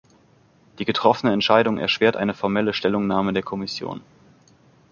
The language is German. Die getroffene Entscheidung erschwert eine formelle Stellungnahme der Kommission.